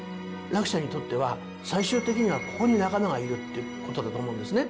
楽ちゃんにとっては、最終的には、ここに仲間がいるってことだと思うんですね。